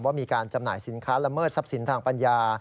ว่ามีการจำหน่ายสินค้าละเมิดทรัพย์สินทางปัญญา